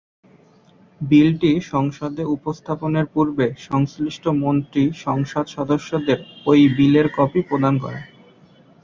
বিলটি সংসদে উপস্থাপনের পূর্বে সংশ্লিষ্ট মন্ত্রী সংসদ-সদস্যদের ওই বিলের কপি প্রদান করেন।